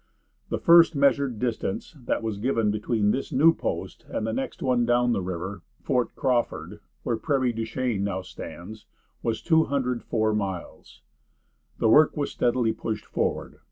The first measured distance that was given between this new post and the next one down the river, Fort Crawford, where Prairie du Chien now stands, was 204 miles. The work was steadily pushed forward.